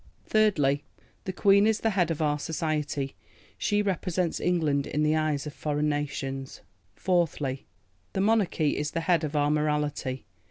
Thirdly: The Queen is the head of our society; she represents England in the eyes of foreign nations. Fourthly: The Monarchy is the head of our morality.